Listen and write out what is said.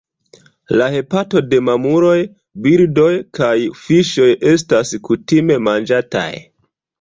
La hepato de mamuloj, birdoj kaj fiŝoj estas kutime manĝataj.